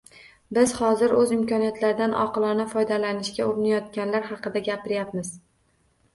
Biz hozir o‘z imkoniyatlaridan oqilona foydalanishga urinayotganlar haqida gapiryapmiz.